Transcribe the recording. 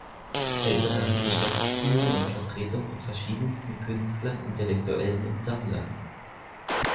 Er übernahm die Geschäftsführung und Vertretung von verschiedensten Künstlern, Intellektuellen und Sammlern.